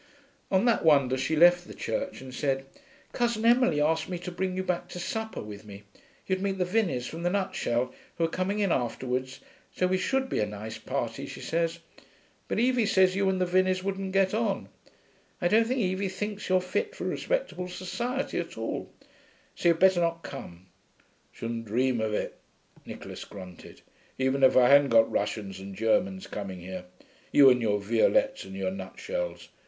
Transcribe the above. On that wonder she left the Church, and said, 'Cousin Emily asked me to bring you back to supper with me. You'd meet the Vinneys, from the Nutshell, who are coming in afterwards, so we should be a nice party, she says. But Evie says you and the Vinneys wouldn't get on. I don't think Evie thinks you're fit for respectable society at all. So you'd better not come.' 'Shouldn't dream of it,' Nicholas grunted. 'Even if I hadn't got Russians and Germans coming here. You and your Violettes and your Nutshells!